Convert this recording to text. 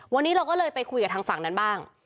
วันนี้เราก็เลยไปคุยกับทางฝั่งนั้นบ้าง